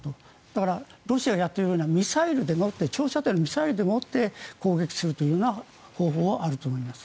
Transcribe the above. だから、ロシアがやっているような長射程のミサイルでもって攻撃するという方法はあると思います。